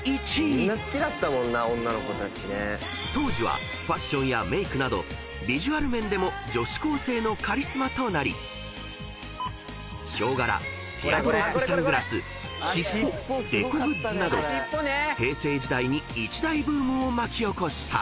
［当時はファッションやメークなどビジュアル面でも女子高生のカリスマとなりヒョウ柄ティアドロップサングラス尻尾デコグッズなど平成時代に一大ブームを巻き起こした］